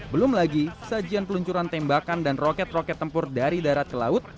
belum lagi sajian peluncuran tembakan dan roket roket tempur dari darat ke laut